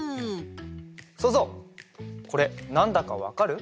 そうぞうこれなんだかわかる？